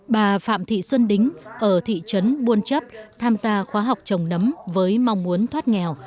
bà phạm thị xuân đính ở thị trấn buôn chấp tham gia khóa học trồng nấm với mong muốn thoát nghèo